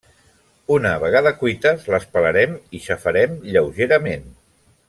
Una vegada cuites les pelarem i xafarem lleugerament.